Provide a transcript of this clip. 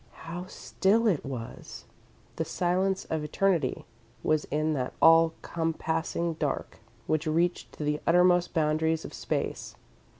How still it was! The silence of eternity was in that all compassing dark, which reached to the uttermost boundaries of space.